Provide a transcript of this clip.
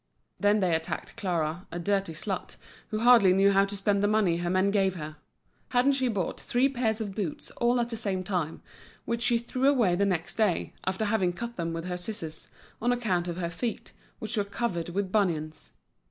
Then they attacked Clara, a dirty slut, who hardly knew how to spend the money her men gave her: hadn't she bought three pairs of boots all at the same time, which she threw away the next day, after having cut them with her scissors, on account of her feet, which were covered with bunions.